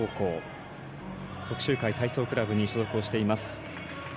徳洲会体操クラブに所属しています。